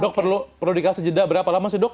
dok perlu dikasih jeda berapa lama sih dok